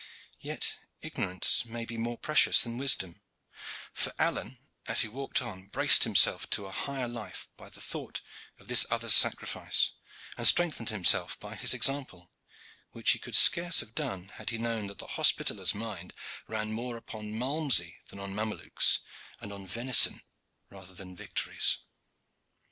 Yet ignorance may be more precious than wisdom, for Alleyne as he walked on braced himself to a higher life by the thought of this other's sacrifice, and strengthened himself by his example which he could scarce have done had he known that the Hospitaller's mind ran more upon malmsey than on Mamelukes, and on venison rather than victories.